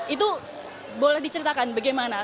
itu boleh diceritakan bagaimana